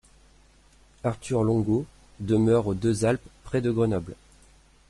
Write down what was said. Arthur Longo demeure aux Deux Alpes près de Grenoble.